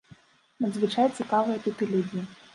Надзвычай цікавыя тут і людзі.